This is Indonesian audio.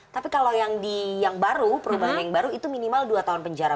tapi kalau yang baru perubahan yang baru itu minimal dua tahun penjara